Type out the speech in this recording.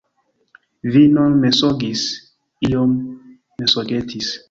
Vi nun mensogis, iom mensogetis.